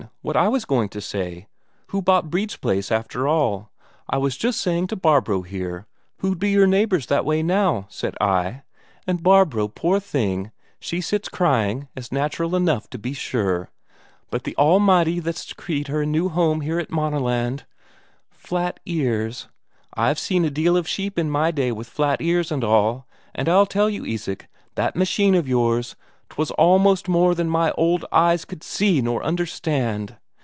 What I was going to say: Who bought Brede's place, after all? I was just saying to Barbro here, who'd be your neighbours that way now? said I. And Barbro, poor thing, she sits crying, as natural enough, to be sure; but the Almighty that's decreed her a new home here at Maaneland ... Flat ears? I've seen a deal of sheep in my day with flat ears and all. And I'll tell you, Isak, that machine of yours, 'twas almost more than my old eyes could see nor understand.